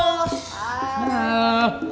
semoga lebih baik bebe